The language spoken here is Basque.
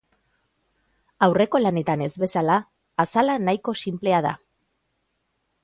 Aurreko lanetan ez bezala, azala nahiko sinplea da.